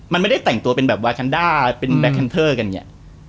มันไม่ได้แต่งตัวเป็นแบบวาแคนด้าเป็นแบคแคนเทอร์กันเนี่ย